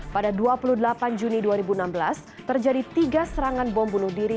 pada dua puluh delapan juni dua ribu enam belas terjadi tiga serangan bom bunuh diri